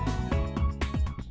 leze lấy thêm thêm